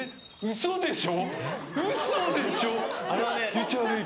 嘘でしょ！